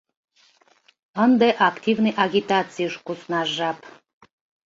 Ынде активный агитацийыш куснаш жап.